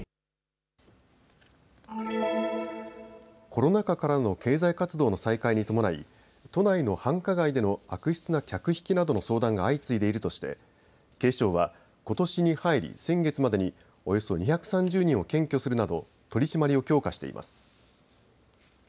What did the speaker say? コロナ禍からの経済活動の再開に伴い、都内の繁華街での悪質な客引きなどの相談が相次いでいるとして警視庁はことしに入り先月までにおよそ２３０人を検挙するなど取締りを強化しています。